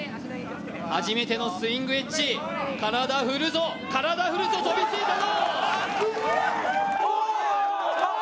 初めてのスイングエッジ体振るぞ、体振るぞ、飛びついたぞ！